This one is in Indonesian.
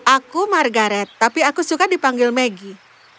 aku margaret tapi aku suka dipanggil maggie